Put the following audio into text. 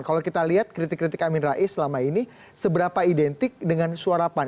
kalau kita lihat kritik kritik amin rais selama ini seberapa identik dengan suara pan